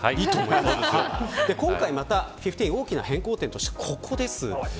１５の大きな変更点としてここです。